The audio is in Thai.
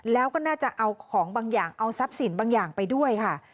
แล้วก็น่าจะเอาของบางอย่างเอาทรัพย์สินบางอย่างไปด้วยค่ะ